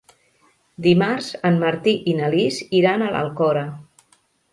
Dimarts en Martí i na Lis iran a l'Alcora.